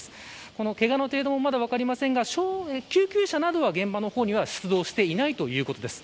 このけがの程度もまだ分かりませんが救急車などは現場の方には出動していないということです。